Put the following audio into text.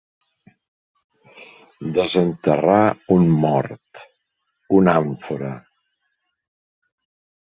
Desenterrar un mort, una àmfora.